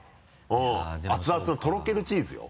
熱々のとろけるチーズよ？